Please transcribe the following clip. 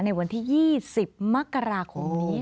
ในวันที่๒๐มกราคมนี้